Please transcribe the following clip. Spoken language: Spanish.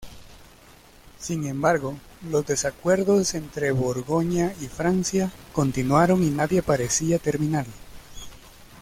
Sin embargo, los desacuerdos entre Borgoña y Francia continuaron y nadie parecía terminarlo.